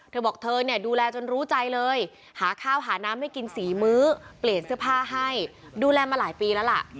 เธอบอกเธอเนี่ยดูแลจนรู้ใจเลยหาข้าวหาน้ำให้กิน๔มื้อเปลี่ยนเสื้อผ้าให้ดูแลมาหลายปีแล้วล่ะ